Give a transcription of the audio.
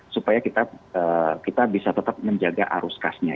supaya kita bisa tetap menjaga arus kasnya